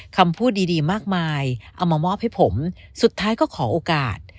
คำพูดดีดีมากมายเอามามอบให้ผมสุดท้ายก็ขอโอกาส